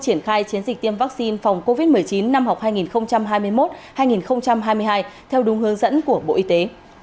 triển khai chiến dịch tiêm vaccine phòng covid một mươi chín năm học hai nghìn hai mươi một hai nghìn hai mươi hai theo đúng hướng dẫn của bộ y tế